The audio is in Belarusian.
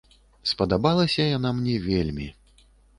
Спадабалася яна мне вельмі.